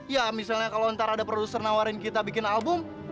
ya misalnya kalau ntar ada produser nawarin kita bikin album